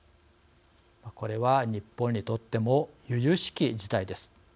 これは日本にとってもゆゆしき事態です。